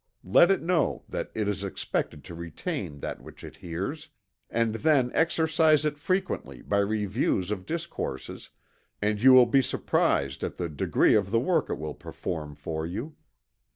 Let it know that it is expected to retain that which it hears, and then exercise it frequently by reviews of discourses, and you will be surprised at the degree of the work it will perform for you.